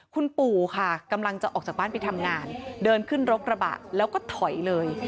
คุณปู่ค่ะกำลังจะออกจากบ้านไปทำงานเดินขึ้นรถกระบะแล้วก็ถอยเลย